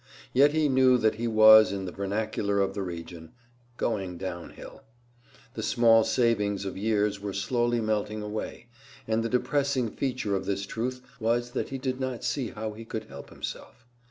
Yet he knew that he was, in the vernacular of the region, "going down hill." The small savings of years were slowly melting away, and the depressing feature of this truth was that he did not see how he could help himself.